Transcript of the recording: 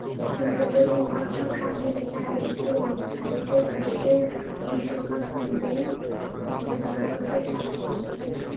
ক্রিকেটের মহোৎসব সামনে রেখে আইসিসির ওয়েবসাইটে বিশ্বকাপ নিয়ে স্মৃতিচারণা করছেন সাবেক ক্রিকেটাররা।